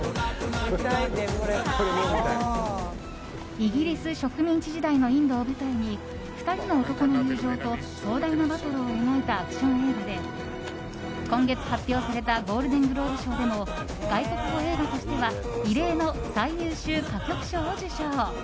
イギリス植民地時代のインドを舞台に２人の男の友情と壮大なバトルを描いたアクション映画で今月発表されたゴールデン・グローブ賞でも外国語映画としては異例の最優秀歌曲賞を受賞。